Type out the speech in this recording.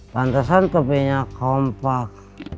pantesan kebihnya kompak